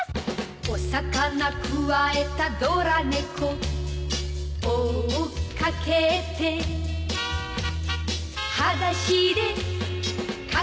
「お魚くわえたドラ猫」「追っかけて」「はだしでかけてく」